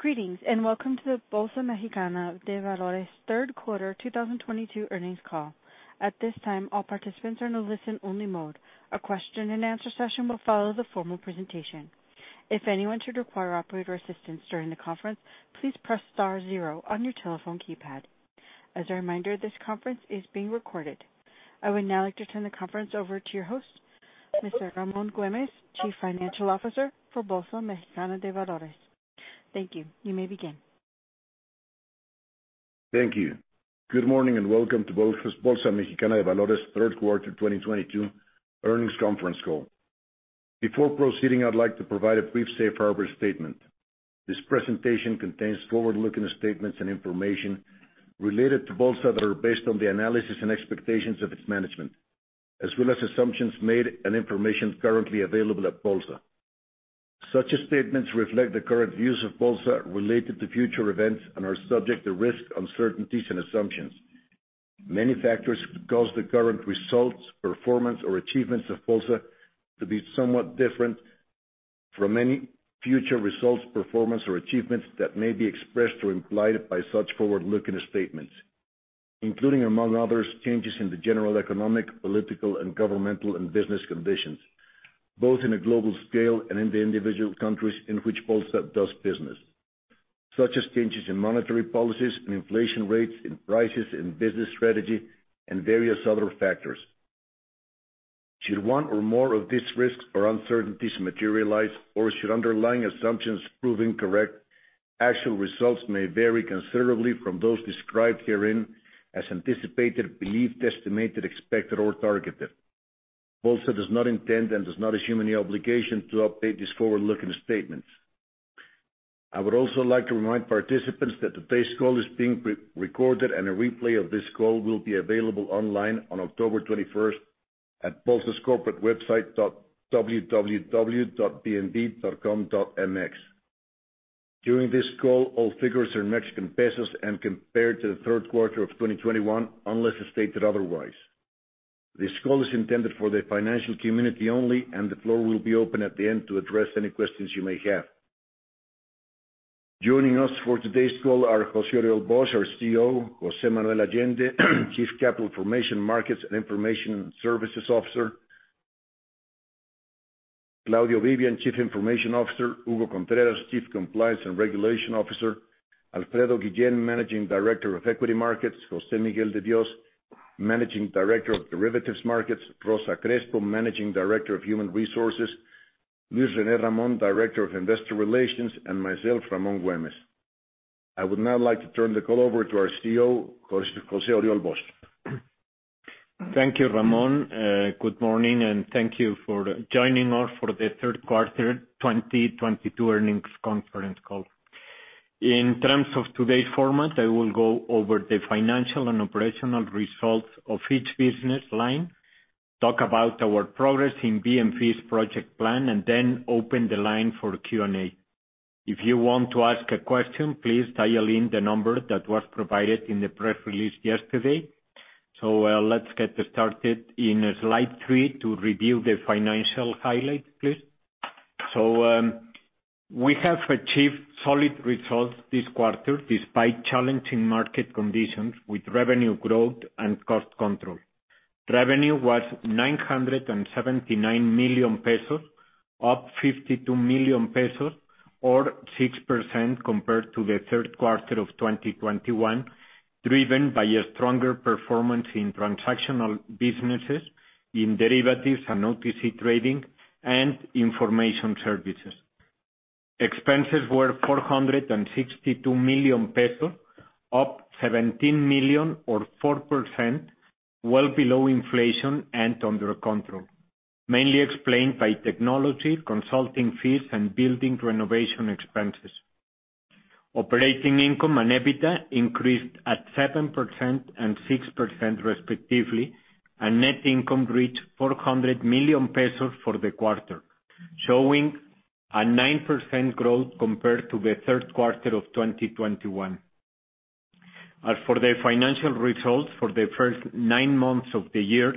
Greetings, and welcome to the Bolsa Mexicana de Valores third quarter 2022 earnings call. At this time, all participants are in a listen-only mode. A question-and-answer session will follow the formal presentation. If anyone should require operator assistance during the conference, please press star zero on your telephone keypad. As a reminder, this conference is being recorded. I would now like to turn the conference over to your host, Mr. Ramón Güémez, Chief Financial Officer for Bolsa Mexicana de Valores. Thank you. You may begin. Thank you. Good morning, and welcome to Bolsa Mexicana de Valores third quarter 2022 earnings conference call. Before proceeding, I'd like to provide a brief safe harbor statement. This presentation contains forward-looking statements and information related to Bolsa that are based on the analysis and expectations of its management, as well as assumptions made and information currently available at Bolsa. Such statements reflect the current views of Bolsa related to future events and are subject to risks, uncertainties, and assumptions. Many factors could cause the current results, performance, or achievements of Bolsa to be somewhat different from any future results, performance, or achievements that may be expressed or implied by such forward-looking statements including, among others, changes in the general economic, political, and governmental and business conditions, both in a global scale and in the individual countries in which Bolsa does business, such as changes in monetary policies and inflation rates in prices and business strategy and various other factors. Should one or more of these risks or uncertainties materialize or should underlying assumptions prove incorrect, actual results may vary considerably from those described herein as anticipated, believed, estimated, expected, or targeted. Bolsa does not intend and does not assume any obligation to update these forward-looking statements. I would also like to remind participants that today's call is being re-recorded, and a replay of this call will be available online on October 21st at Bolsa's Corporate website, www.bmv.com.mx. During this call, all figures are Mexican pesos and compared to the third quarter of 2021, unless stated otherwise. This call is intended for the financial community only, and the floor will be open at the end to address any questions you may have. Joining us for today's call are José-Oriol Bosch, our CEO, José Manuel Allende, Chief Capital Formation Markets and Information Services Officer, Claudio Vivian, Chief Information Officer, Hugo Contreras, Chief Compliance and Regulation Officer, Alfredo Guillén, Managing Director of Equity Markets, José Miguel de Dios, Managing Director of Derivatives Markets, Rosa Espino, Managing Director of Human Resources, Luis René Ramón, Director of Investor Relations, and myself, Ramón Güémez. I would now like to turn the call over to our CEO, José-Oriol Bosch Par. Thank you, Ramón. Good morning and thank you for joining us for the third quarter 2022 earnings conference call. In terms of today's format, I will go over the financial and operational results of each business line, talk about our progress in BMV's project plan, and then open the line for Q&A. If you want to ask a question, please dial in the number that was provided in the press release yesterday. Let's get started in slide three to review the financial highlights, please. We have achieved solid results this quarter despite challenging market conditions with revenue growth and cost control. Revenue was 979 million pesos, up 52 million pesos, or 6% compared to the third quarter of 2021, driven by a stronger performance in transactional businesses, in Derivatives and OTC Trading, and Information Services. Expenses were 462 million pesos, up 17 million or 4%, well below inflation and under control, mainly explained by technology, consulting fees, and building renovation expenses. Operating income and EBITDA increased at 7% and 6%, respectively, and net income reached 400 million pesos for the quarter, showing a 9% growth compared to the third quarter of 2021. As for the financial results for the first nine months of the year,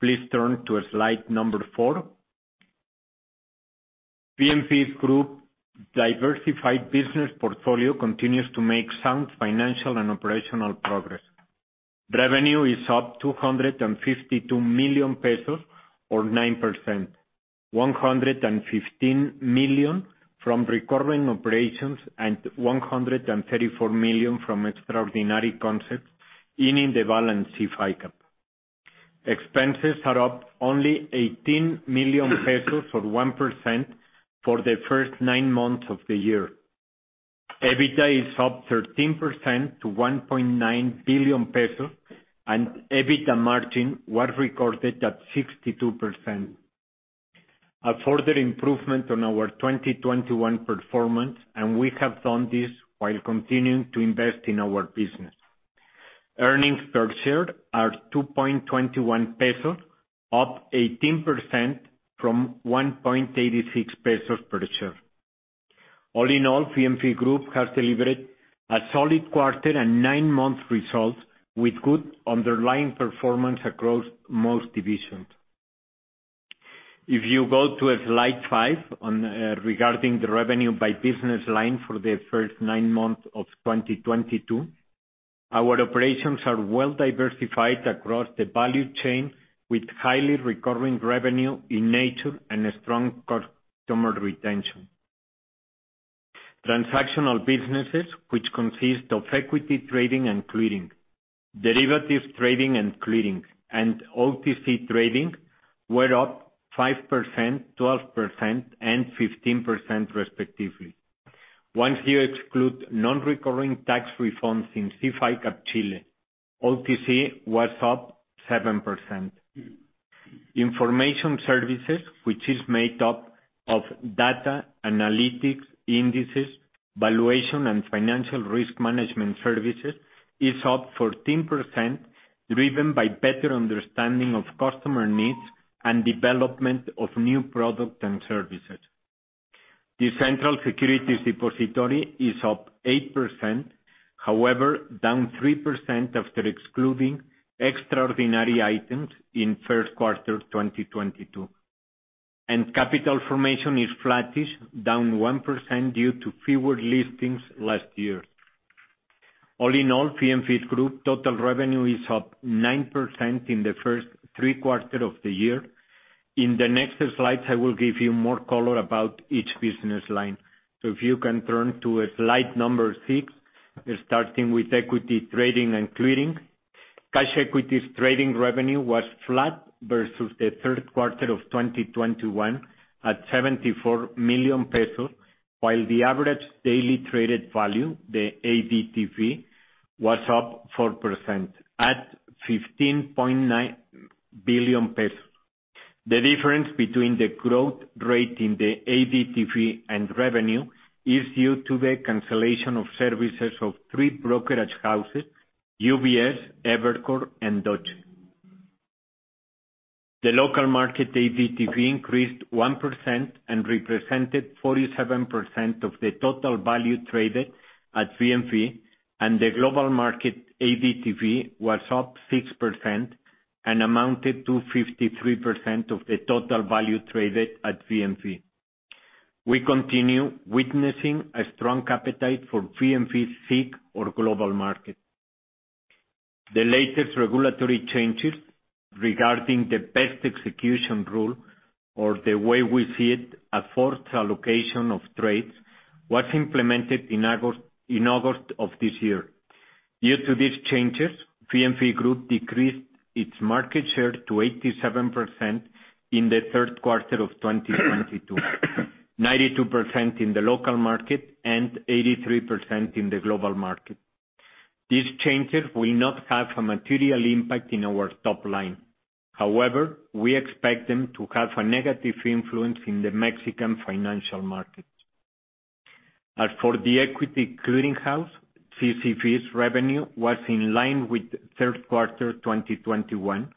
please turn to slide four. BMV's group diversified business portfolio continues to make sound financial and operational progress. Revenue is up 252 million pesos or 9%, 115 million from recurring operations and 134 million from extraordinary concepts in the balance SIF ICAP. Expenses are up only 18 million pesos or 1% for the first nine months of the year. EBITDA is up 13% to 1.9 billion pesos, and EBITDA margin was recorded at 62%. Further improvement on our 2021 performance, and we have done this while continuing to invest in our business. Earnings per share are 2.21 pesos, up 18% from 1.86 pesos per share. All in all, BMV Group has delivered a solid quarter and nine-month results with good underlying performance across most divisions. If you go to slide five regarding the revenue by business line for the first nine months of 2022, our operations are well diversified across the value chain with highly recurring revenue in nature and a strong customer retention. Transactional businesses, which consist of equity trading and clearing, derivatives trading and clearing, and OTC trading were up 5%, 12%, and 15% respectively. Once you exclude non-recurring tax reforms in SIF ICAP Chile, OTC was up 7%. Information Services, which is made up of data, analytics, indices, valuation, and financial risk management services, is up 14%, driven by better understanding of customer needs and development of new products and services. The Central Securities Depository is up 8%, however, down 3% after excluding extraordinary items in first quarter 2022. Capital Formation is flattish, down 1% due to fewer listings last year. All in all, BMV group total revenue is up 9% in the first three quarters of the year. In the next slide, I will give you more color about each business line. If you can turn to slide six, starting with equity trading and clearing. Cash equity trading revenue was flat versus the third quarter of 2021 at 74 million pesos, while the average daily traded value, the ADTV, was up 4% at 15.9 billion pesos. The difference between the growth rate in the ADTV and revenue is due to the cancellation of services of three brokerage houses, UBS, Evercore, and Deutsche. The local market ADTV increased 1% and represented 47% of the total value traded at BMV, and the global market ADTV was up 6% and amounted to 53% of the total value traded at BMV. We continue witnessing a strong appetite for BMV's SIC or global market. The latest regulatory changes regarding the best execution rule or the way we see it, a forced allocation of trades, was implemented in August of this year. Due to these changes, BMV Group decreased its market share to 87% in the third quarter of 2022, 92% in the local market and 83% in the global market. These changes will not have a material impact in our top line. However, we expect them to have a negative influence in the Mexican financial market. As for the equity clearing house, CCV's revenue was in line with third quarter 2021,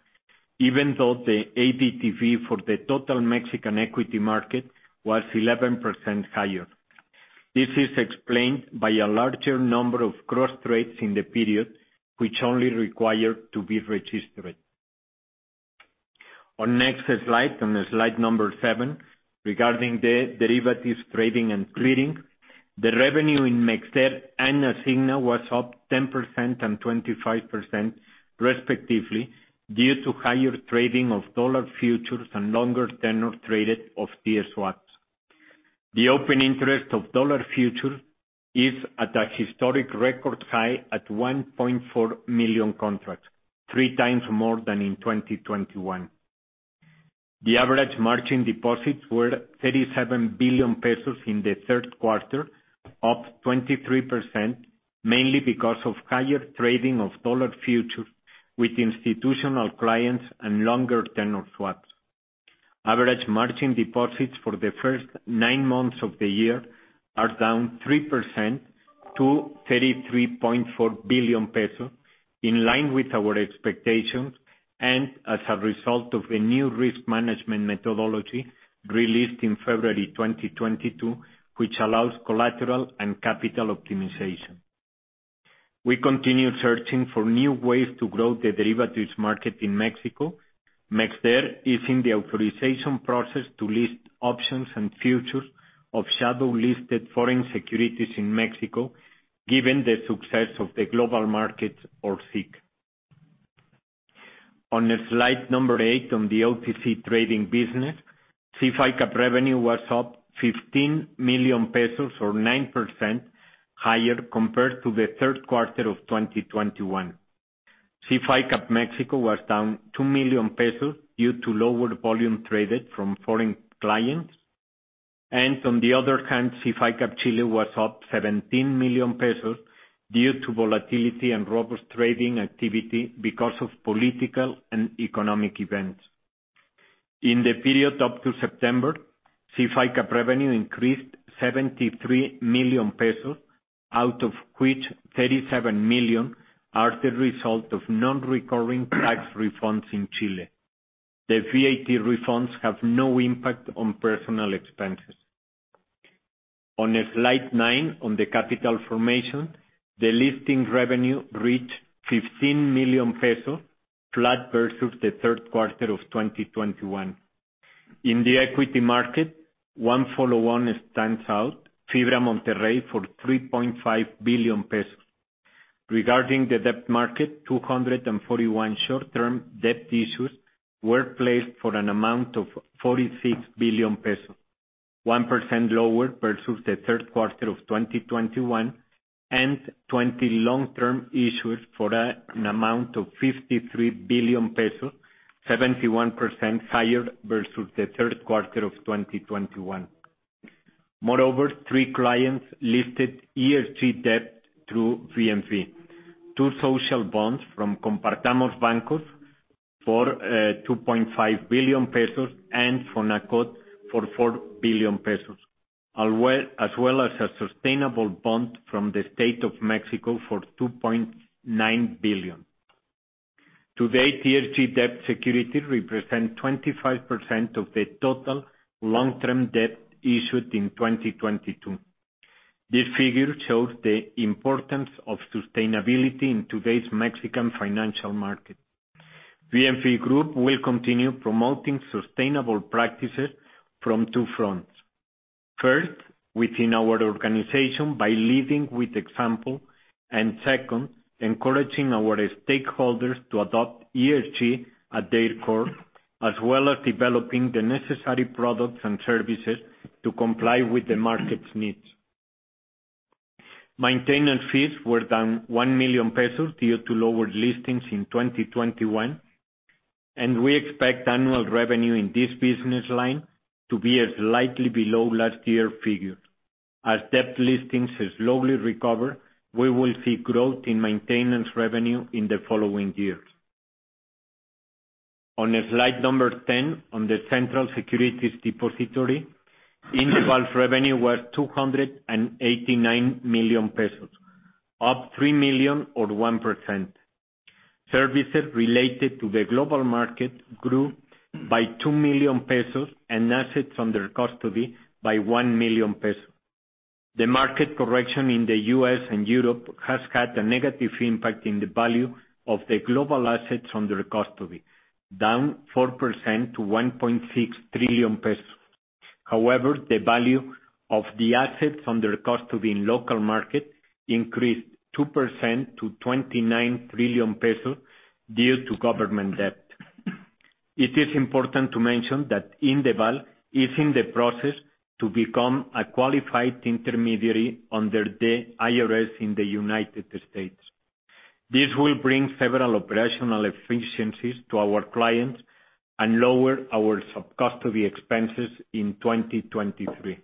even though the ADTV for the total Mexican equity market was 11% higher. This is explained by a larger number of cross trades in the period, which only require to be registered. On next slide, on slide seven, regarding the derivatives trading and clearing, the revenue in MexDer and Asigna was up 10% and 25% respectively, due to higher trading of dollar futures and longer-tenor traded of TIIE swaps. The open interest of dollar future is at a historic record high at 1.4 million contracts, 3x more than in 2021. The average margin deposits were 37 billion pesos in the third quarter, up 23%, mainly because of higher trading of dollar futures with institutional clients and longer tenure swaps. Average margin deposits for the first nine months of the year are down 3% to 33.4 billion pesos, in line with our expectations and as a result of a new risk management methodology released in February 2022, which allows collateral and capital optimization. We continue searching for new ways to grow the Derivatives market in Mexico. MexDer is in the authorization process to list options and futures of SIC-listed foreign securities in Mexico, given the success of the global market or SIC. On slide number eight, on the OTC Trading business, SIF ICAP revenue was up 15 million pesos or 9% higher compared to the third quarter of 2021. SIF ICAP Mexico was down 2 million pesos due to lower volume traded from foreign clients. On the other hand, SIF ICAP Chile was up 17 million pesos due to volatility and robust trading activity because of political and economic events. In the period up to September, SIF ICAP revenue increased 73 million pesos, out of which 37 million are the result of non-recurring tax refunds in Chile. The VAT refunds have no impact on personal expenses. On slide nine on the Capital Formation, the listing revenue reached 15 million pesos, flat versus the third quarter of 2021. In the equity market, one follow-on stands out, Fibra Monterrey for 3.5 billion pesos. Regarding the debt market, 241 short-term debt issues were placed for an amount of 46 billion pesos, 1% lower versus the third quarter of 2021, and 20 long-term issues for an amount of 53 billion pesos, 71% higher versus the third quarter of 2021. Moreover, three clients listed ESG debt through BMV. Two social bonds from Compartamos Banco for 2.5 billion pesos and FONACOT for 4 billion pesos. As well as a sustainable bond from the State of Mexico for 2.9 billion. To date, ESG debt security represent 25% of the total long-term debt issued in 2022. This figure shows the importance of sustainability in today's Mexican financial market. BMV Group will continue promoting sustainable practices from 2two fronts. First, within our organization by leading by example. Second, encouraging our stakeholders to adopt ESG at their core, as well as developing the necessary products and services to comply with the market's needs. Maintenance fees were down 1 million pesos due to lower listings in 2021, and we expect annual revenue in this business line to be slightly below last year figure. As debt listings slowly recover, we will see growth in maintenance revenue in the following years. On slide 10, on the Central Securities Depository, Indeval's revenue was 289 million pesos, up 3 million or 1%. Services related to the global market grew by 2 million pesos, and assets under custody by 1 million pesos. The market correction in the U.S. and Europe has had a negative impact in the value of the global assets under custody, down 4% to 1.6 trillion pesos. However, the value of the assets under custody in local market increased 2% to 29 trillion pesos due to government debt. It is important to mention that Indeval is in the process to become a qualified intermediary under the IRS in the United States. This will bring several operational efficiencies to our clients and lower our sub-custody expenses in 2023.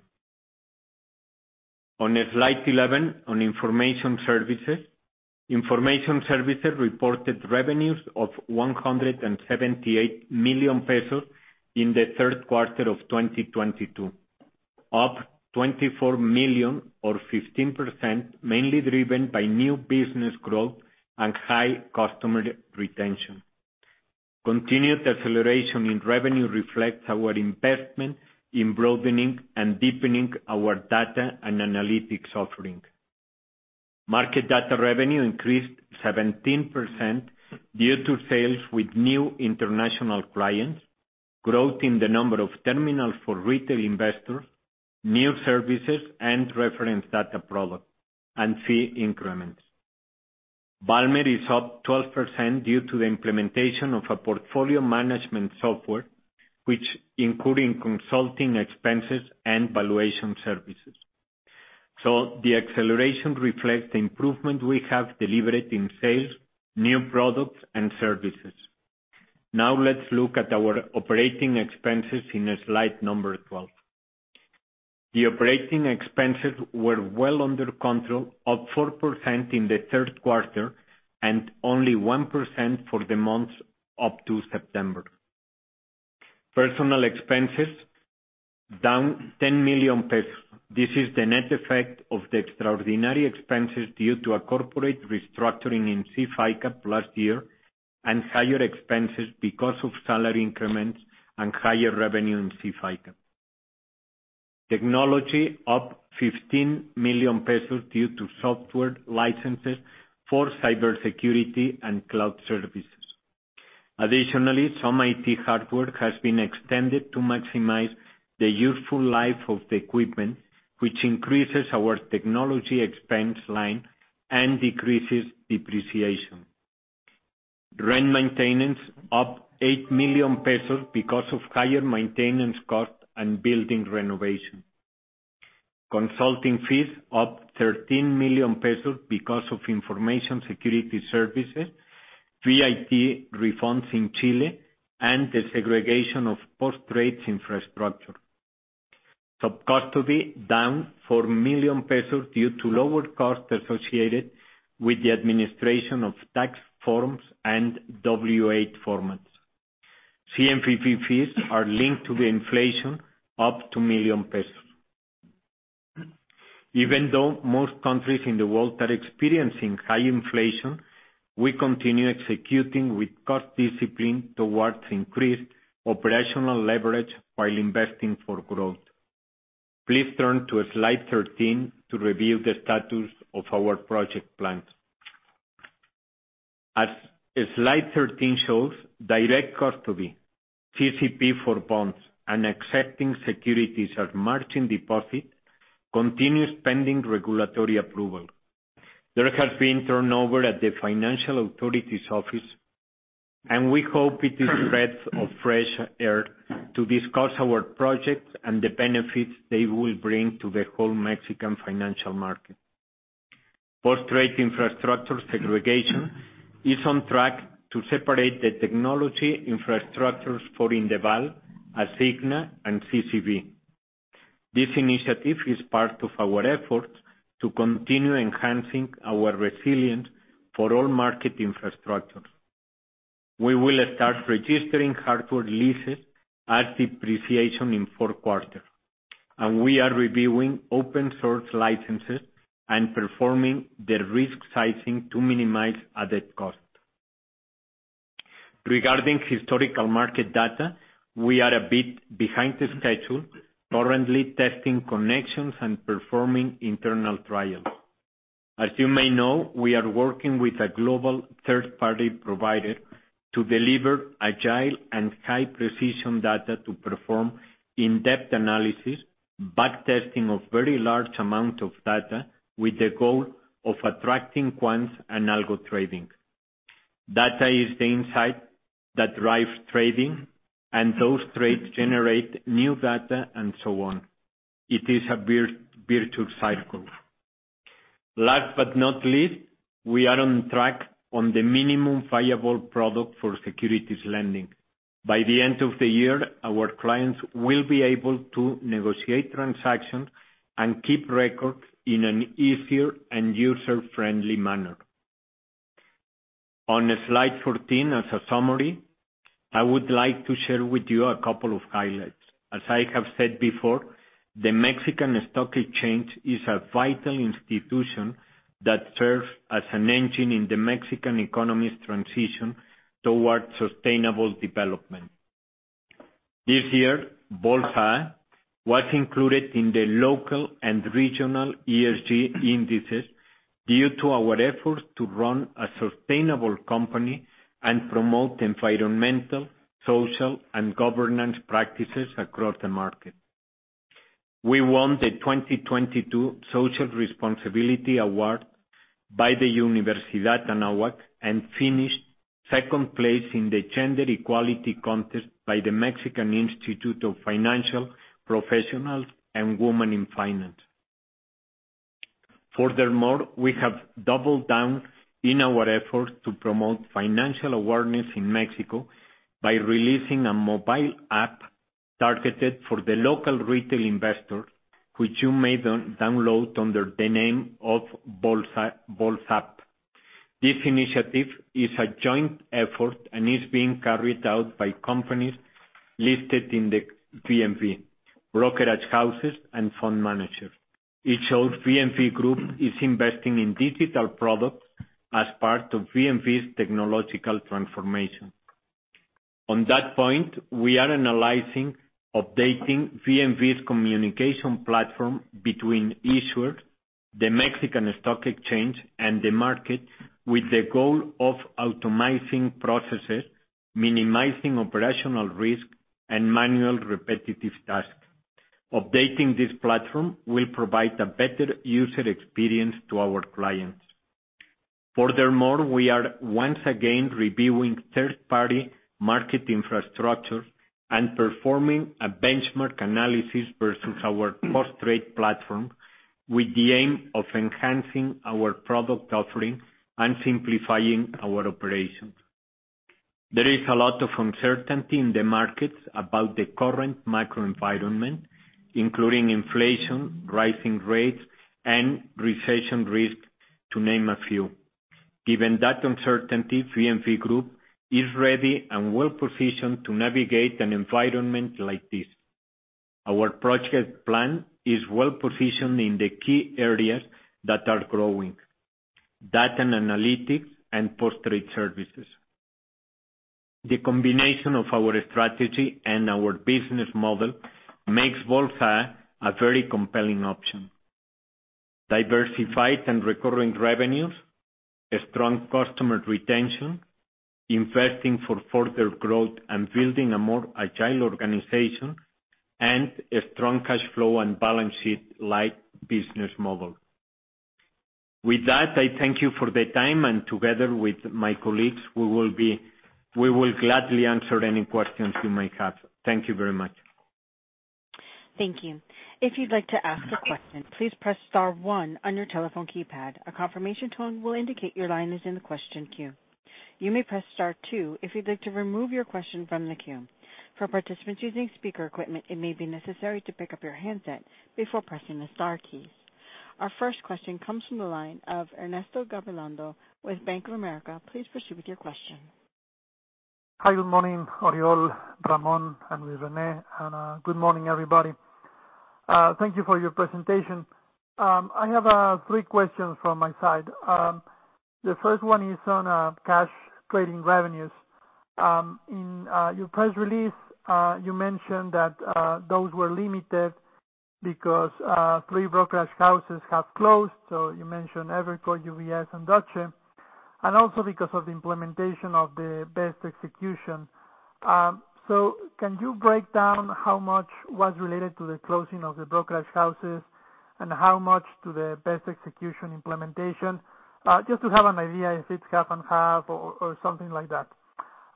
On slide 11, on Information Services. Information Services reported revenues of 178 million pesos in the third quarter of 2022, up 24 million or 15%, mainly driven by new business growth and high customer retention. Continued acceleration in revenue reflects our investment in broadening and deepening our data and analytics offering. Market data revenue increased 17% due to sales with new international clients, growth in the number of terminals for retail investors, new services, and reference data products, and fee increments. Valmer is up 12% due to the implementation of a portfolio management software, which including consulting expenses and valuation services. The acceleration reflects the improvement we have delivered in sales, new products, and services. Now let's look at our operating expenses in slide number 12. The operating expenses were well under control, up 4% in the third quarter and only 1% for the months up to September. Personnel expenses down 10 million pesos. This is the net effect of the extraordinary expenses due to a corporate restructuring in SIF ICAP last year, and higher expenses because of salary increments and higher revenue in SIF ICAP. Technology up 15 million pesos due to software licenses for cybersecurity and cloud services. Additionally, some IT hardware has been extended to maximize the useful life of the equipment, which increases our technology expense line and decreases depreciation. Rent maintenance up 8 million pesos because of higher maintenance costs and building renovation. Consulting fees up 13 million pesos because of information security services, VAT refunds in Chile, and the segregation of Post-trade's infrastructure. Sub-custody down 4 million pesos due to lower costs associated with the administration of tax forms and W-8 formats. CNBV fees are linked to inflation, up 2 million pesos. Even though most countries in the world are experiencing high inflation, we continue executing with cost discipline towards increased operational leverage while investing for growth. Please turn to slide 13 to review the status of our project plans. As slide 13 shows, direct custody, CCV for bonds, and accepting securities as margin deposit continues pending regulatory approval. There has been turnover at the financial authorities office, and we hope it is a breath of fresh air to discuss our projects and the benefits they will bring to the whole Mexican financial market. Post-trade infrastructure segregation is on track to separate the technology infrastructures for Indeval, Asigna and CCP. This initiative is part of our efforts to continue enhancing our resilience for all market infrastructures. We will start registering hardware leases as depreciation in fourth quarter, and we are reviewing open source licenses and performing the risk sizing to minimize added cost. Regarding historical market data, we are a bit behind schedule, currently testing connections and performing internal trials. As you may know, we are working with a global third-party provider to deliver agile and high-precision data to perform in-depth analysis, back-testing of very large amount of data with the goal of attracting quants and algo trading. Data is the insight that drives trading and those trades generate new data and so on. It is a virtuous cycle. Last but not least, we are on track on the minimum viable product for securities lending. By the end of the year, our clients will be able to negotiate transactions and keep records in an easier and user-friendly manner. On slide 14, as a summary, I would like to share with you a couple of highlights. As I have said before, the Mexican Stock Exchange is a vital institution that serves as an engine in the Mexican economy's transition towards sustainable development. This year, Bolsa was included in the local and regional ESG indices due to our efforts to run a sustainable company and promote environmental, social, and governance practices across the market. We won the 2022 Social Responsibility Award by the Universidad Anáhuac and finished second place in the Gender Equality Contest by the Instituto Mexicano de Ejecutivos de Finanzas and Mujeres en Finanzas. Furthermore, we have doubled down in our efforts to promote financial awareness in Mexico by releasing a mobile app targeted for the local retail investor, which you may download under the name of Bolsapp. This initiative is a joint effort and is being carried out by companies listed in the BMV, brokerage houses and fund managers. It shows BMV Group is investing in digital products as part of BMV's technological transformation. On that point, we are analyzing updating BMV's communication platform between issuers, the Mexican Stock Exchange, and the market with the goal of automating processes, minimizing operational risk, and manual repetitive tasks. Updating this platform will provide a better user experience to our clients. Furthermore, we are once again reviewing third-party market infrastructure and performing a benchmark analysis versus our Post-trade platform with the aim of enhancing our product offering and simplifying our operations. There is a lot of uncertainty in the markets about the current macro environment, including inflation, rising rates, and recession risks, to name a few. Given that uncertainty, BMV Group is ready and well-positioned to navigate an environment like this. Our project plan is well-positioned in the key areas that are growing: data analytics and Post-trade services. The combination of our strategy and our business model makes Bolsa a very compelling option. Diversified and recurring revenues, a strong customer retention, investing for further growth, and building a more agile organization and a strong cash flow and balance sheet light business model. With that, I thank you for the time, and together with my colleagues, we will gladly answer any questions you may have. Thank you very much. Thank you. If you'd like to ask a question, please press star one on your telephone keypad. A confirmation tone will indicate your line is in the question queue. You may press star two if you'd like to remove your question from the queue. For participants using speaker equipment, it may be necessary to pick up your handset before pressing the star keys. Our first question comes from the line of Ernesto Gabilondo with Bank of America. Please proceed with your question. Hi, good morning, Oriol, Ramón, and Luis René, and good morning, everybody. Thank you for your presentation. I have three questions from my side. The first one is on cash trading revenues. In your press release, you mentioned that those were limited because three brokerage houses have closed, so you mentioned Evercore, UBS, and Deutsche, and also because of the implementation of the best execution. So can you break down how much was related to the closing of the brokerage houses and how much to the best execution implementation, just to have an idea if it's half and half or something like that?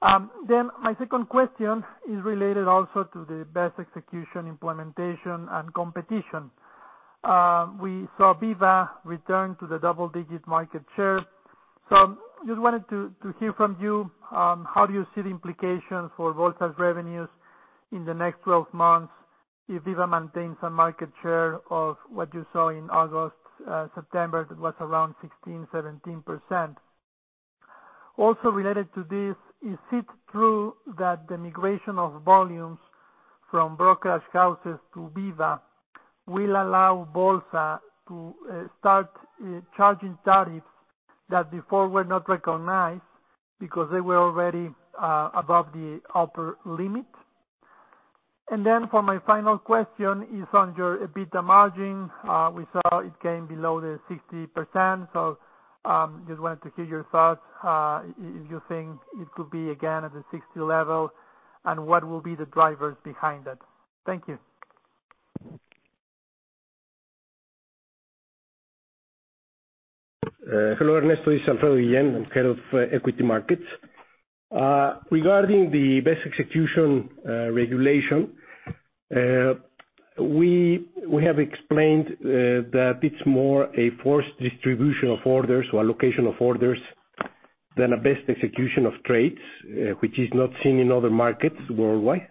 My second question is related also to the best execution implementation and competition. We saw BIVA return to the double-digit market share. Just wanted to hear from you how you see the implications for Bolsa's revenues in the next 12 months if BIVA maintains a market share of what you saw in August, September, that was around 16%-17%. Also related to this, is it true that the migration of volumes from Casas de Bolsa to BIVA will allow Bolsa to start charging tariffs that before were not recognized because they were already above the upper limit? Then for my final question is on your EBITDA margin. We saw it came below the 60%. Just wanted to hear your thoughts, if you think it could be again at the 60% level, and what will be the drivers behind it. Thank you. Hello, Ernesto. It's Alfredo Guillén. I'm Head of Equity Markets. Regarding the best execution regulation, we have explained that it's more a forced distribution of orders or allocation of orders than a best execution of trades, which is not seen in other markets worldwide.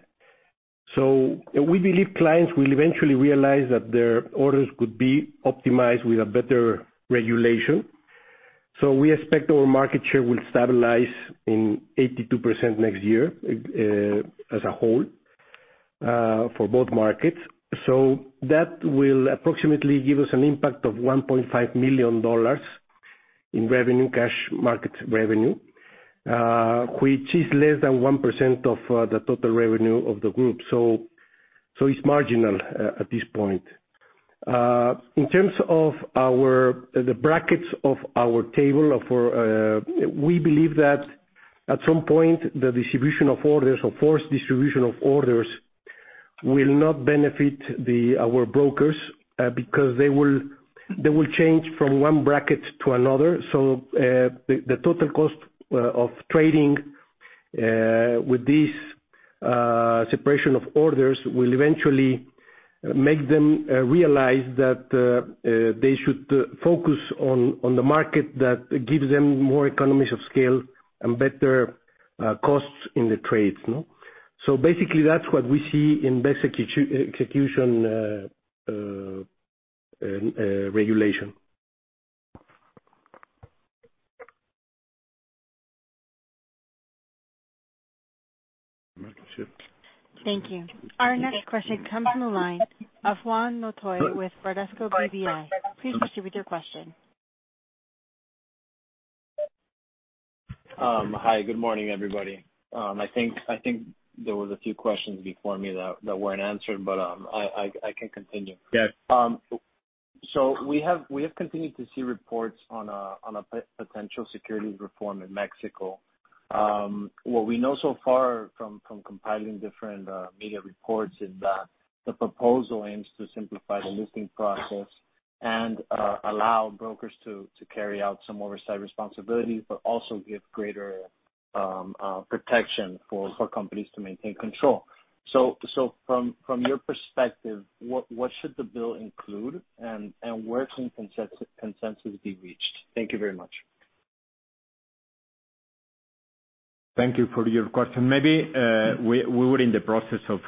We believe clients will eventually realize that their orders could be optimized with a better regulation. We expect our market share will stabilize in 82% next year, as a whole, for both markets. That will approximately give us an impact of $1.5 million in revenue, cash market revenue, which is less than 1% of the total revenue of the group. It's marginal at this point. In terms of our... The brackets of our table for, we believe that at some point, the distribution of orders or forced distribution of orders will not benefit the, our brokers, because they will change from one bracket to another. The total cost of trading with this separation of orders will eventually make them realize that they should focus on the market that gives them more economies of scale and better costs in the trades, no? Basically that's what we see in best execution regulation. Thank you. Our next question comes on the line of Juan Noto with Bradesco BBI. Please proceed with your question. Hi, good morning, everybody. I think there was a few questions before me that weren't answered, but I can continue. Yes. We have continued to see reports on a potential securities reform in Mexico. What we know so far from compiling different media reports is that the proposal aims to simplify the listing process and allow brokers to carry out some oversight responsibility, but also give greater protection for companies to maintain control. From your perspective, what should the bill include and where can consensus be reached? Thank you very much. Thank you for your question. Maybe, we were in the process of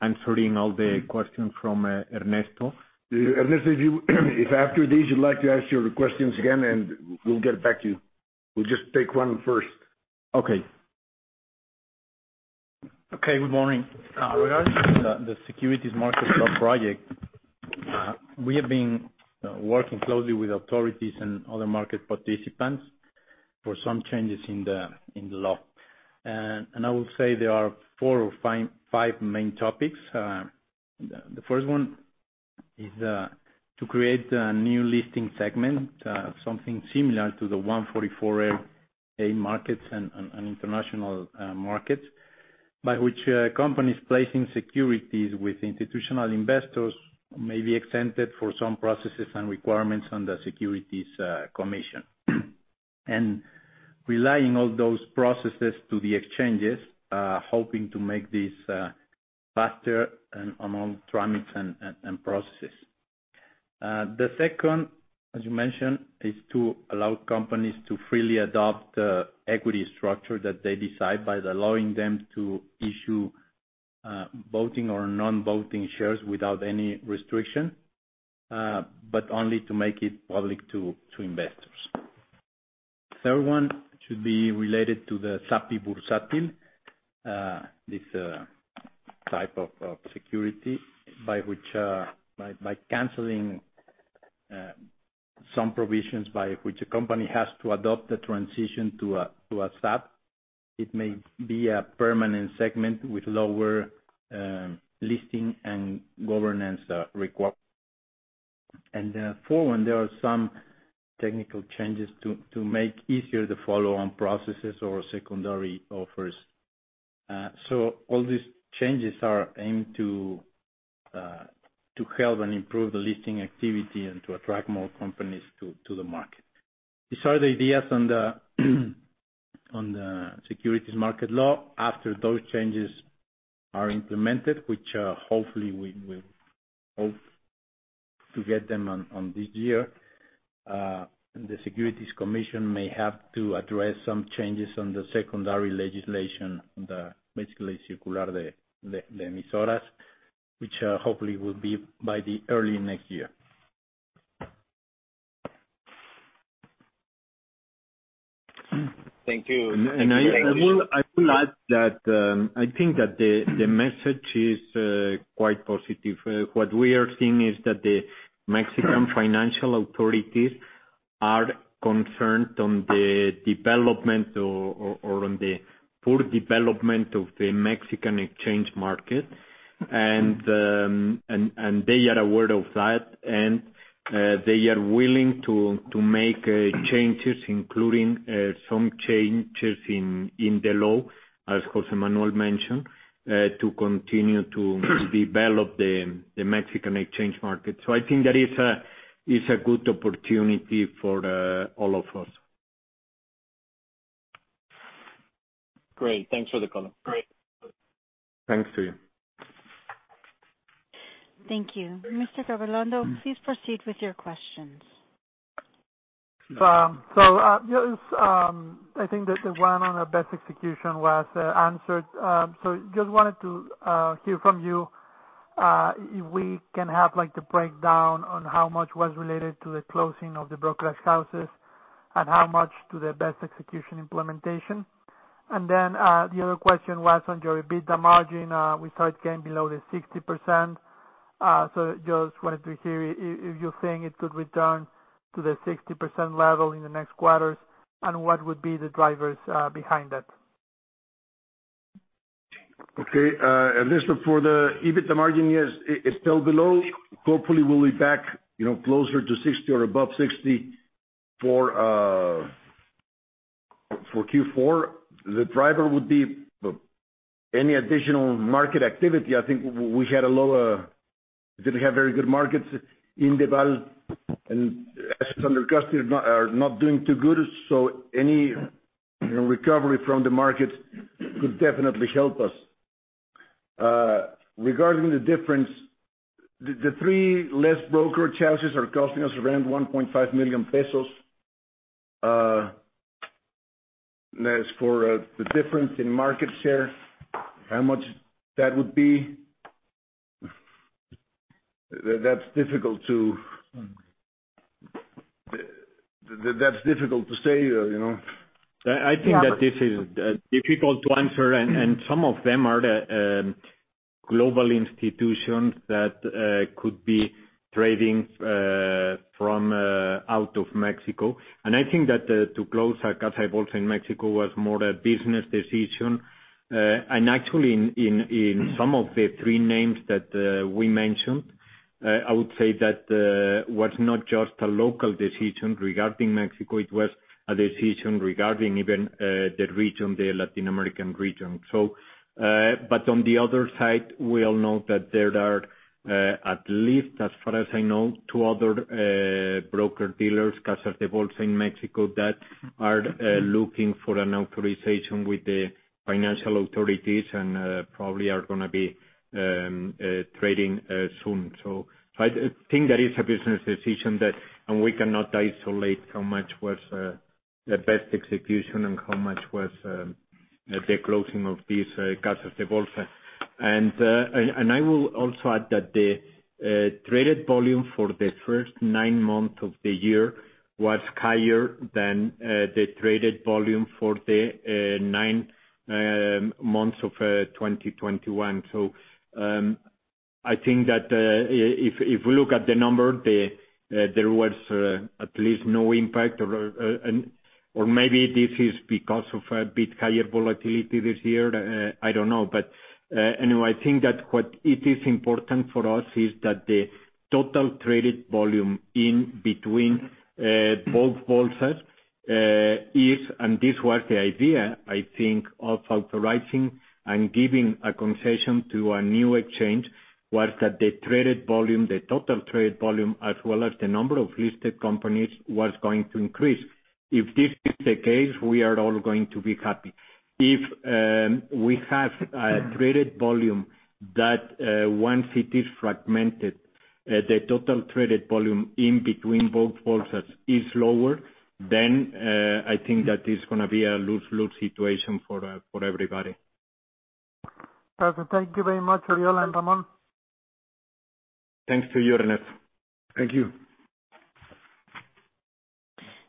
answering all the questions from Ernesto. Ernesto, if after this you'd like to ask your questions again, and we'll get back to you. We'll just take Juan first. Okay. Good morning. Regarding the securities market law, we have been working closely with authorities and other market participants for some changes in the law. I will say there are four or five main topics. The first one is to create a new listing segment, something similar to the 144A markets and international markets, by which companies placing securities with institutional investors may be exempted from some processes and requirements on the securities commission. Relying all those processes to the exchanges, hoping to make this faster and easier permits and processes. The second, as you mentioned, is to allow companies to freely adopt the equity structure that they decide by allowing them to issue- Voting or non-voting shares without any restriction, but only to make it public to investors. The third one should be related to the SAPI Bursátil. This type of security by canceling some provisions by which a company has to adopt the transition to a SAPI. It may be a permanent segment with lower listing and governance. The fourth one, there are some technical changes to make easier the follow-on processes or secondary offers. All these changes are aimed to help and improve the listing activity and to attract more companies to the market. These are the ideas on the Securities Market Law. After those changes are implemented, which hopefully we will hope to get them on this year, the Securities Commission may have to address some changes on the secondary legislation, basically the Circular de Emisoras, which hopefully will be by the early next year. Thank you. I will add that I think that the message is quite positive. What we are seeing is that the Mexican financial authorities are concerned on the development or on the poor development of the Mexican exchange market. They are aware of that and they are willing to make changes including some changes in the law, as José Manuel mentioned, to continue to develop the Mexican exchange market. I think that is a good opportunity for all of us. Great. Thanks for the call. Great. Thanks to you. Thank you. Mr. Gabilondo, please proceed with your questions. I think that the one on the best execution was answered. Just wanted to hear from you if we can have, like, the breakdown on how much was related to the closing of the brokerage houses and how much to the best execution implementation. The other question was on your EBITDA margin. We saw it came below the 60%. Just wanted to hear if you're saying it could return to the 60% level in the next quarters, and what would be the drivers behind that? Okay. Listen, for the EBITDA margin, yes, it's still below. Hopefully we'll be back, you know, closer to 60% or above 60% for Q4. The driver would be any additional market activity. I think we had a low. We didn't have very good market development and assets under custody are not doing too good. So any, you know, recovery from the market could definitely help us. Regarding the difference, the three less brokerage houses are costing us around 1.5 million pesos. As for the difference in market share, how much that would be, that's difficult to say, you know. I think that this is difficult to answer and some of them are the global institutions that could be trading from out of Mexico. I think that to close a Casa de Bolsa in Mexico was more a business decision. Actually in some of the three names that we mentioned I would say that was not just a local decision regarding Mexico. It was a decision regarding even the region, the Latin American region. But on the other side, we all know that there are at least, as far as I know, two other broker-dealers, Casas de Bolsa in Mexico, that are looking for an authorization with the financial authorities and probably are gonna be trading soon. I think that is a business decision that and we cannot isolate how much was the best execution and how much was the closing of these Casas de Bolsa. I will also add that the traded volume for the first nine months of the year was higher than the traded volume for the nine months of 2021. I think that if we look at the number, there was at least no impact or maybe this is because of a bit higher volatility this year. I don't know. Anyway, I think that what it is important for us is that the total traded volume between both Bolsas is, and this was the idea I think of authorizing and giving a concession to a new exchange, was that the traded volume, the total traded volume, as well as the number of listed companies, was going to increase. If this is the case, we are all going to be happy. If we have a traded volume that once it is fragmented- If the total traded volume in between both is lower, then I think that is gonna be a lose-lose situation for everybody. Perfect. Thank you very much, Oriol and Ramón. Thanks to you, Ernest. Thank you.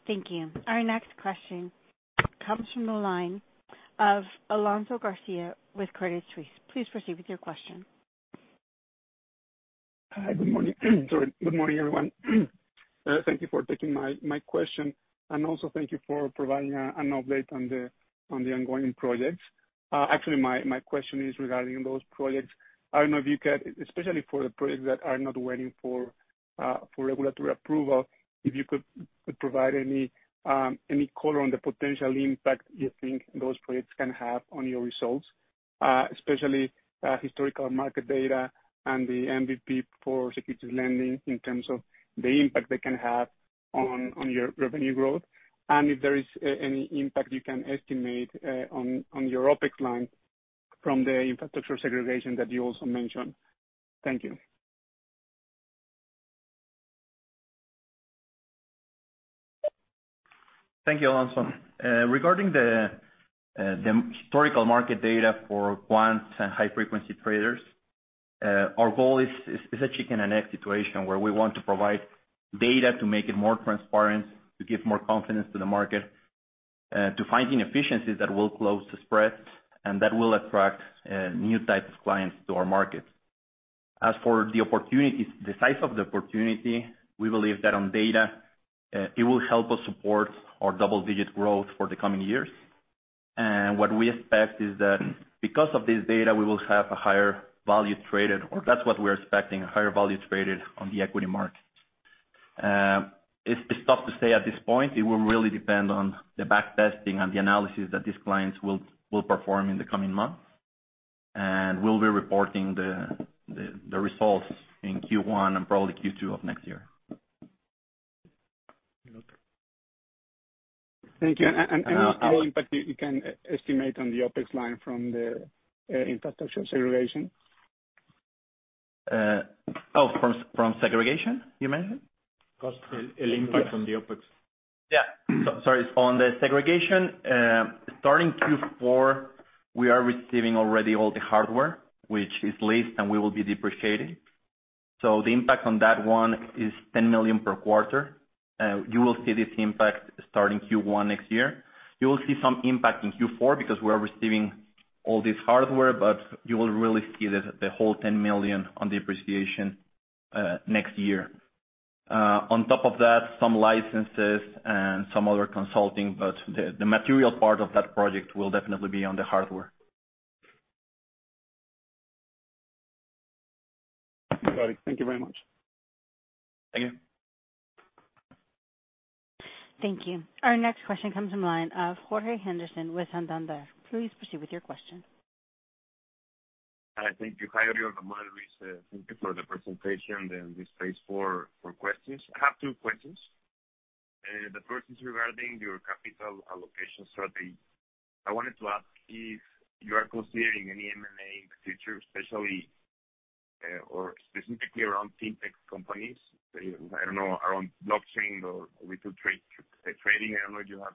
Thank you. Our next question comes from the line of Alonso García with Credit Suisse. Please proceed with your question. Hi. Good morning. Sorry. Good morning, everyone. Thank you for taking my question, and also thank you for providing an update on the ongoing projects. Actually, my question is regarding those projects. I don't know if you can, especially for the projects that are not waiting for regulatory approval, if you could provide any color on the potential impact you think those projects can have on your results, especially historical market data and the MVP for securities lending in terms of the impact they can have on your revenue growth. If there is any impact you can estimate on your OpEx line from the infrastructure segregation that you also mentioned. Thank you. Thank you, Alonso. Regarding the historical market data for quants and high frequency traders, our goal is a chicken and egg situation where we want to provide data to make it more transparent, to give more confidence to the market, to find inefficiencies that will close the spreads and that will attract new types of clients to our markets. As for the opportunities, the size of the opportunity, we believe that on data it will help us support our double digit growth for the coming years. What we expect is that because of this data, we will have a higher value traded, or that's what we're expecting, a higher value traded on the equity market. It's tough to say at this point. It will really depend on the back testing and the analysis that these clients will perform in the coming months. We'll be reporting the results in Q1 and probably Q2 of next year. Milton. Thank you. Any impact you can estimate on the OPEX line from the infrastructure segregation? From segregation, you mentioned? Cost, impact on the OpEx. On the segregation, starting Q4, we are receiving already all the hardware which is leased, and we will be depreciating. The impact on that one is 10 million per quarter. You will see this impact starting Q1 next year. You will see some impact in Q4 because we are receiving all this hardware, but you will really see the whole ten million on depreciation next year. On top of that, some licenses and some other consulting, but the material part of that project will definitely be on the hardware. Got it. Thank you very much. Thank you. Thank you. Our next question comes from line of Jorge Henderson with Santander. Please proceed with your question. Thank you. Hi, Oriol and Ramon. Luis, thank you for the presentation and the space for questions. I have two questions. The first is regarding your capital allocation strategy. I wanted to ask if you are considering any M&A in the future, especially or specifically around FinTech companies, I don't know, around blockchain or retail trading. I don't know if you have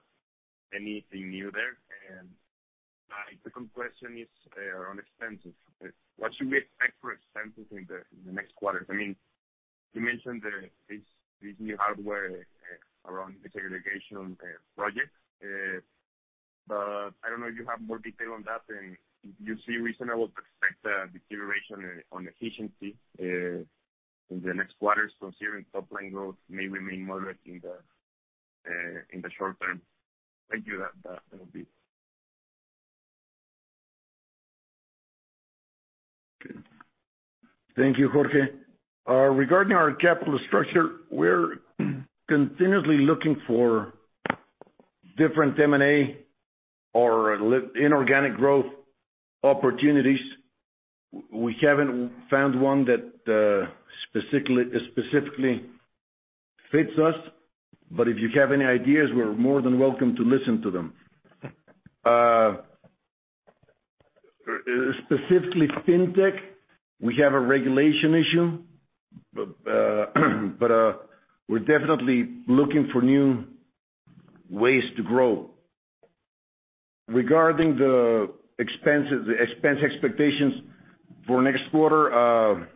anything new there. My second question is on expenses. What should we expect for expenses in the next quarters? I mean, you mentioned this new hardware around the segregation project. But I don't know if you have more detail on that and you see reasonable to expect deterioration on efficiency in the next quarters considering top line growth may remain moderate in the short term. Thank you. That will be it. Thank you, Jorge. Regarding our capital structure, we're continuously looking for different M&A or inorganic growth opportunities. We haven't found one that specifically fits us, but if you have any ideas, we're more than welcome to listen to them. Specifically FinTech, we have a regulation issue, but we're definitely looking for new ways to grow. Regarding the expenses, the expense expectations for next quarter,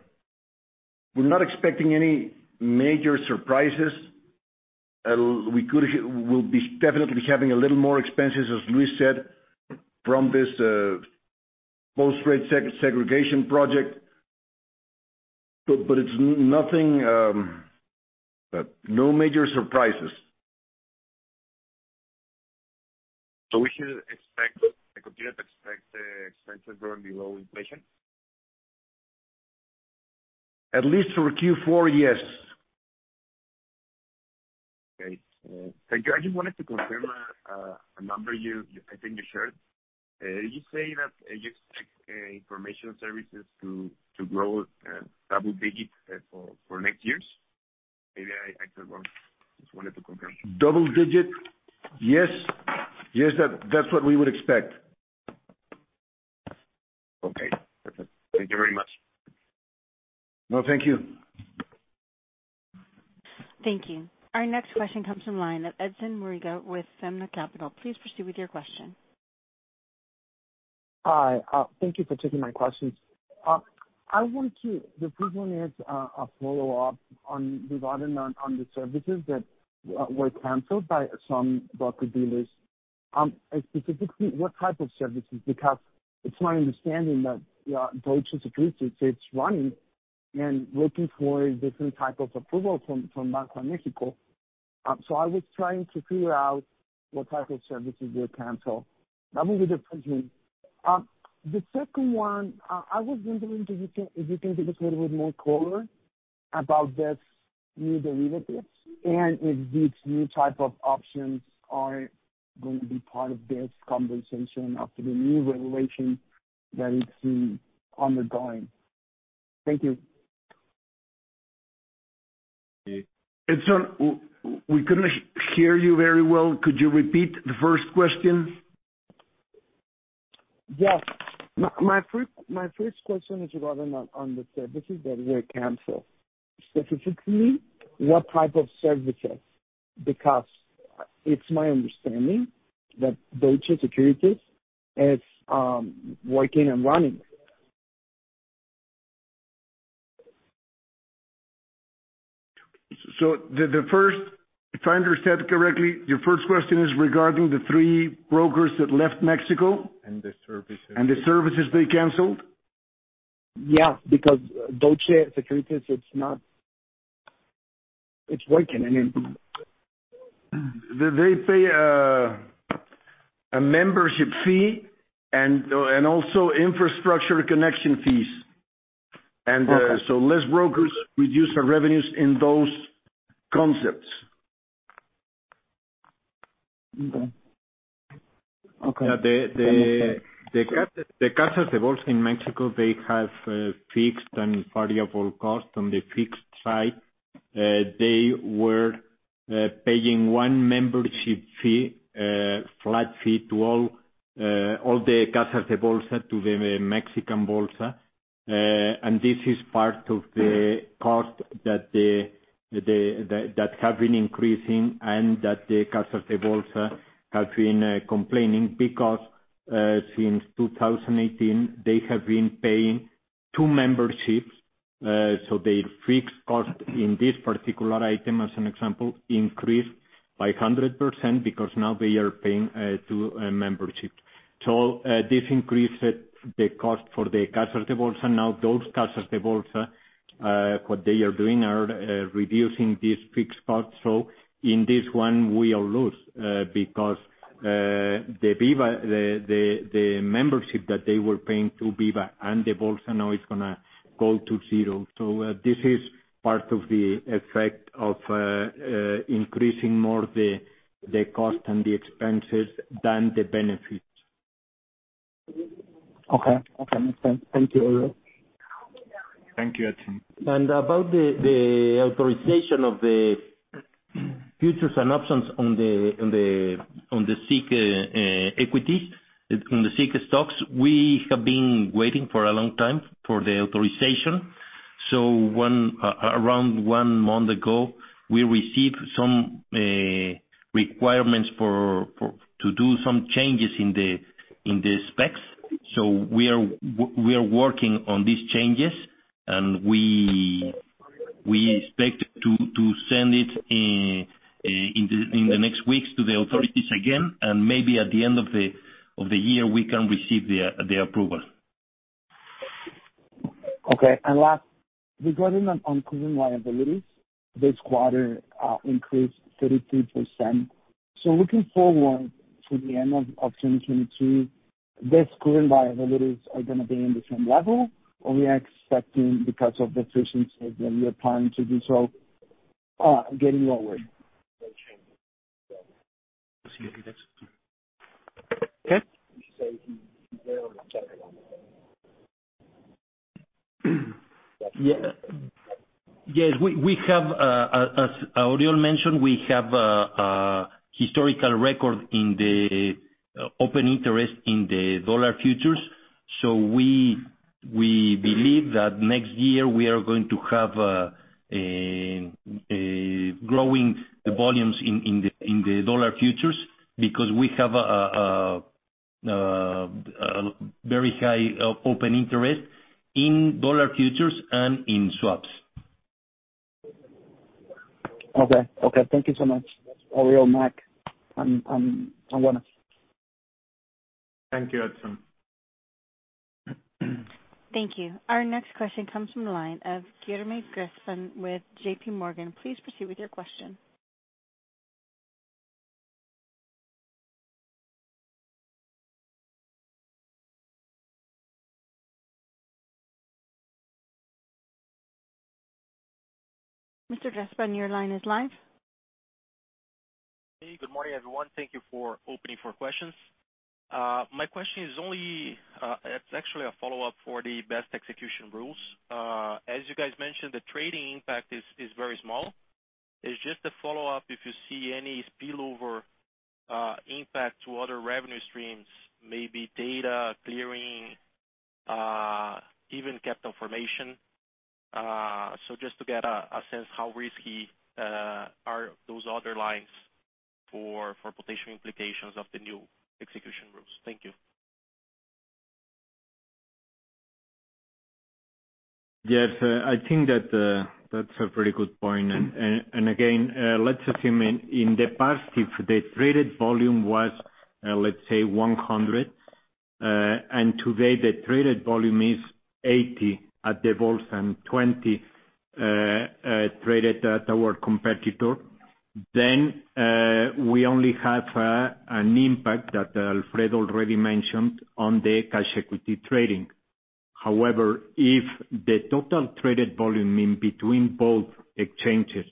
we're not expecting any major surprises. We'll be definitely having a little more expenses, as Luis said, from this Post-trade segregation project, but it's nothing, no major surprises. We should expect expenses growing below inflation? At least for Q4, yes. Okay. Thank you. I just wanted to confirm a number you, I think you shared. You say that you expect Information Services to grow double digits for next year? Maybe I got wrong. Just wanted to confirm. Double digit, yes. Yes, that's what we would expect. Okay, perfect. Thank you very much. No, thank you. Thank you. Our next question comes from the line of Edson Murguia with Summa Capital. Please proceed with your question. Hi, thank you for taking my questions. The first one is a follow-up regarding the services that were canceled by some broker-dealers. Specifically what type of services? Because it's my understanding that Deutsche Securities is running and looking for a different type of approval from Banco de México. I was trying to figure out what type of services were canceled. That would be the first one. The second one, I was wondering if you can give us a little bit more color about this new derivatives and if these new type of options are gonna be part of this conversation after the new regulation that is ongoing. Thank you. Edson, we couldn't hear you very well. Could you repeat the first question? Yes. My first question is rather on the services that were canceled. Specifically what type of services? Because it's my understanding that Deutsche Securities is working and running. If I understand correctly, your first question is regarding the three brokers that left Mexico. The services. the services they canceled? Yeah, because Deutsche Securities, it's not. It's working, I mean. They pay a membership fee and also infrastructure connection fees. Okay. Less brokers reduce our revenues in those concepts. Okay. Okay. Yeah, the Casa de Bolsa in Mexico, they have fixed and variable costs. On the fixed side, they were paying one membership fee, flat fee to all the Casa de Bolsa, to the Mexican Bolsa. This is part of the cost that have been increasing and that the Casa de Bolsa have been complaining because since 2018, they have been paying two memberships. The fixed cost in this particular item, as an example, increased by 100% because now they are paying two memberships. This increased the cost for the Casa de Bolsa. Now, those Casa de Bolsa, what they are doing are reducing these fixed costs. In this one we all lose, because the BIVA membership that they were paying to BIVA and the Bolsa now is gonna go to zero. This is part of the effect of increasing more the cost and the expenses than the benefits. Okay. Okay, makes sense. Thank you, Oriol. Thank you, Edson. about the authorization of the futures and options on the SIC equities, on the SIC stocks, we have been waiting for a long time for the authorization. Around one month ago, we received some requirements to do some changes in the specs. we are working on these changes and we expect to send it in the next weeks to the authorities again, and maybe at the end of the year we can receive the approval. Okay. Last, regarding on current liabilities, this quarter increased 33%. Looking forward to the end of 2022, these current liabilities are gonna be in the same level or we are expecting because of the decisions that you are planning to do so, getting lower? Yes. As Oriol mentioned, we have a historical record in the open interest in the dollar futures. We believe that next year we are going to have growing the volumes in the dollar futures because we have a very high open interest in dollar futures and in swaps. Okay. Thank you so much, Oriol, Ramón, and Juan. Thank you, Edson. Thank you. Our next question comes from the line of Guilherme Grespan with JPMorgan. Please proceed with your question. Mr. Grespan, your line is live. Hey, good morning, everyone. Thank you for opening for questions. My question is only, it's actually a follow-up for the best execution rules. As you guys mentioned, the trading impact is very small. It's just a follow-up, if you see any spillover. Impact to other revenue streams, maybe data clearing, even Capital Formation. Just to get a sense how risky are those other lines for potential implications of the new execution rules. Thank you. Yes. I think that's a pretty good point. Again, let's assume in the past, if the traded volume was, let's say 100, and today the traded volume is 80 at the Bolsa and 20 traded at our competitor, then we only have an impact that Alfredo already mentioned on the cash equity trading. However, if the total traded volume in between both exchanges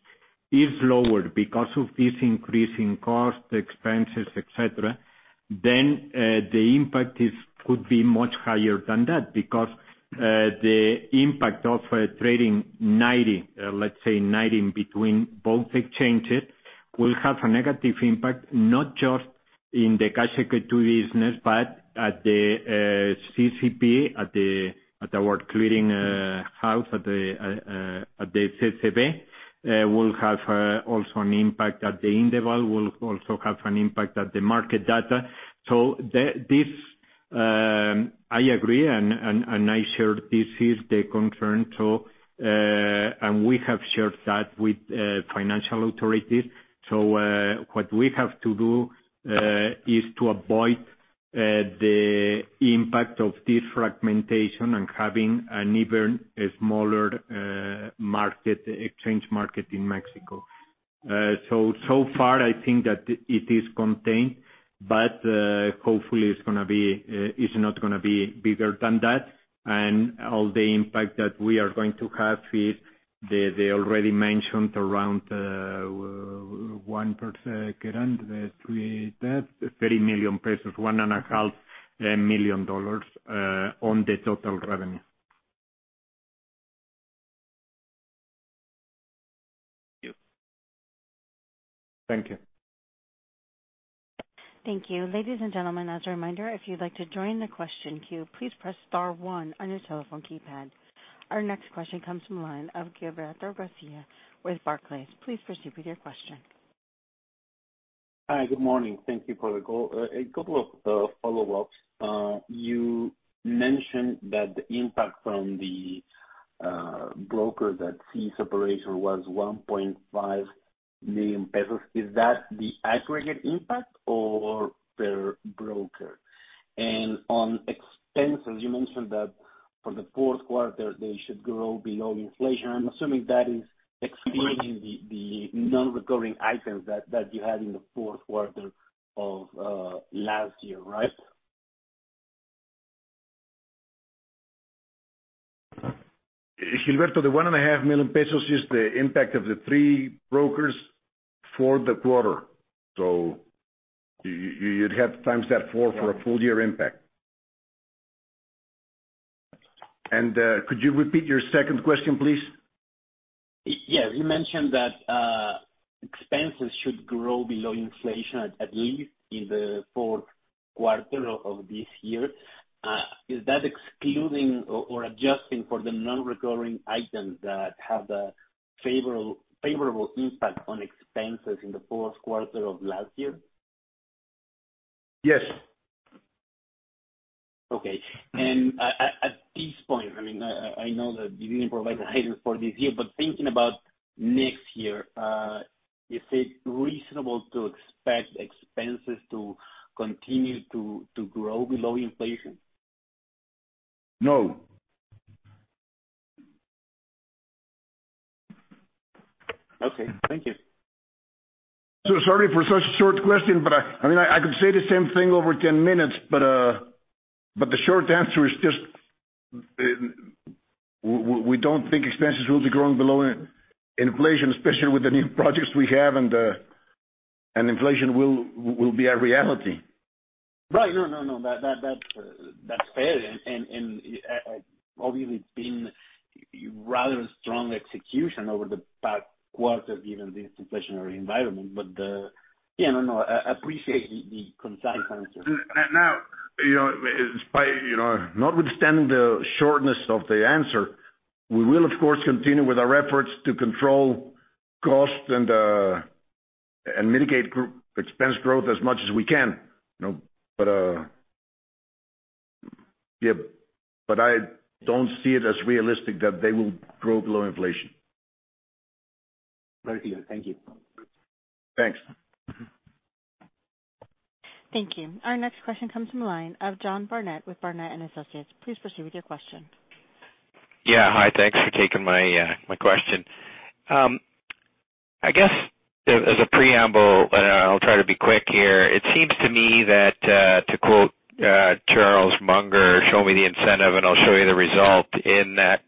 is lower because of this increase in cost, expenses, et cetera, then the impact could be much higher than that. Because the impact of trading 90%, let's say 90% between both exchanges will have a negative impact, not just in the cash equity business, but at the CCV, at our clearing house, at the CCV, will have also an impact at Indeval, will also have an impact at the market data. This, I agree and I share, this is the concern, and we have shared that with financial authorities. What we have to do is to avoid the impact of this fragmentation and having an even smaller market exchange market in Mexico. So far I think that it is contained, but hopefully it's not gonna be bigger than that. All the impact that we are going to have is the already mentioned around 1% currently, the 3% that MXN 30 million, $1.5 million on the total revenue. Thank you. Thank you. Thank you. Ladies and gentlemen, as a reminder, if you'd like to join the question queue, please press star one on your telephone keypad. Our next question comes from line of Gilberto Garcia with Barclays. Please proceed with your question. Hi, good morning. Thank you for the call. A couple of follow-ups. You mentioned that the impact from the broker that ceased operation was 1.5 million pesos. Is that the aggregate impact or per broker? On expenses, you mentioned that for the fourth quarter they should grow below inflation. I'm assuming that is excluding the non-recurring items that you had in the fourth quarter of last year, right? Gilberto, 1.5 million pesos is the impact of the three brokers for the quarter. You'd have to times that four for a full year impact. Could you repeat your second question, please? Yes. You mentioned that expenses should grow below inflation at least in the fourth quarter of this year. Is that excluding or adjusting for the non-recurring items that have a favorable impact on expenses in the fourth quarter of last year? Yes. Okay. At this point, I mean, I know that you didn't provide guidance for this year, but thinking about next year, is it reasonable to expect expenses to continue to grow below inflation? No. Okay. Thank you. Sorry for such a short question, but I mean, I could say the same thing over ten minutes, but the short answer is just, we don't think expenses will be growing below inflation, especially with the new projects we have and inflation will be a reality. Right. No, no. That's fair. Obviously it's been rather strong execution over the past quarter given this inflationary environment. Appreciate the concise answer. Now, you know, in spite, you know, notwithstanding the shortness of the answer, we will of course continue with our efforts to control costs and mitigate expense growth as much as we can, you know. Yeah, I don't see it as realistic that they will grow below inflation. Very clear. Thank you. Thanks. Thank you. Our next question comes from the line of John Barnett with Barnett and Company. Please proceed with your question. Yeah. Hi. Thanks for taking my question. I guess as a preamble, and I'll try to be quick here. It seems to me that to quote Charles Munger, "Show me the incentive and I'll show you the result," in that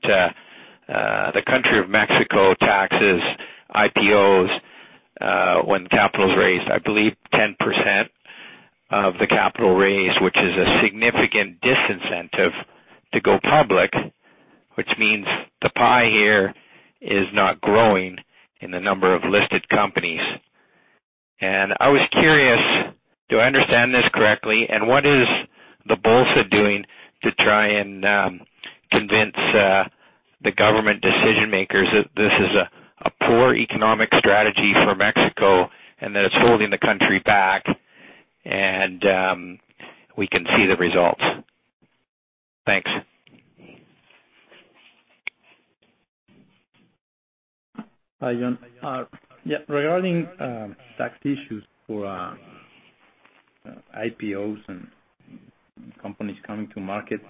the country of Mexico taxes IPOs when capital is raised, I believe 10% of the capital raise, which is a significant disincentive to go public, which means the pie here is not growing in the number of listed companies. I was curious, do I understand this correctly? What is the Bolsa doing to try and convince the government decision-makers that this is a poor economic strategy for Mexico and that it's holding the country back and we can see the results? Thanks. Hi, John. Yeah, regarding tax issues for IPOs and companies coming to market,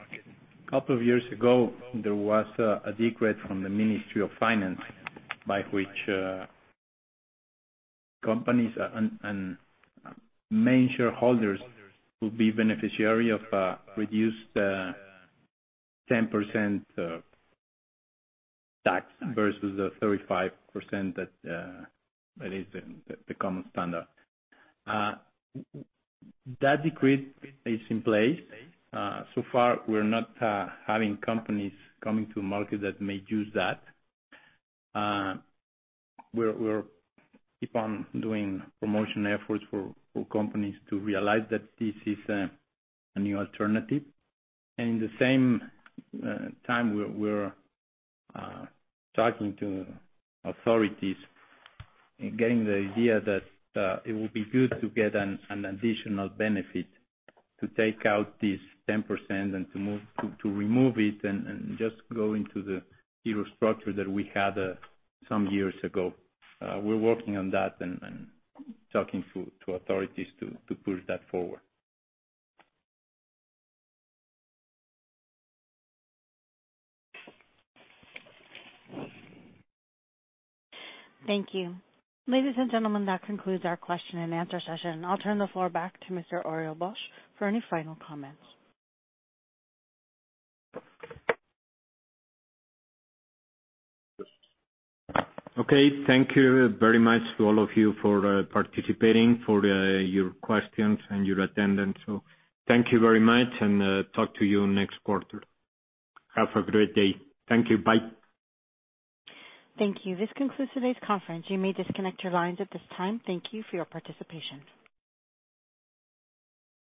a couple of years ago, there was a decree from the Ministry of Finance by which companies and main shareholders will be beneficiary of reduced 10% tax versus the 35% that is the common standard. That decree is in place. So far, we're not having companies coming to market that may use that. We're keep on doing promotion efforts for companies to realize that this is a new alternative. In the same time, we're talking to authorities and getting the idea that it would be good to get an additional benefit to take out this 10% and to move. To remove it and just go into the zero structure that we had some years ago. We're working on that and talking to authorities to push that forward. Thank you. Ladies and gentlemen, that concludes our question-and-answer session. I'll turn the floor back to Mr. Oriol Bosch for any final comments. Okay. Thank you very much to all of you for participating, for your questions and your attendance. Thank you very much and talk to you next quarter. Have a great day. Thank you. Bye. Thank you. This concludes today's conference. You may disconnect your lines at this time. Thank you for your participation.